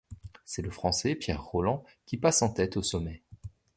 C'est le Français Pierre Rolland qui passe en tête au sommet.